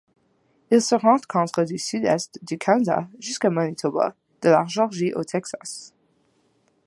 Il se rencontre du Sud-Est du Canada jusqu'au Manitoba, de la Georgie au Texas.